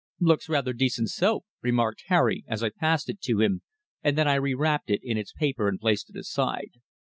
"Looks rather decent soap!" remarked Harry as I passed it to him, and then I re wrapped it in its paper and placed it aside.